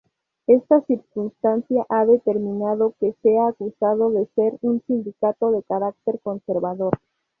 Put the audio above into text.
Esta circunstancia ha determinado que sea acusado de ser un sindicato de carácter conservador.